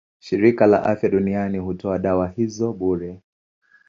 Shirika la Afya Duniani hutoa dawa hizo bure.